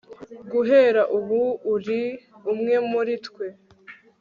Guhera ubu uri umwe muri twe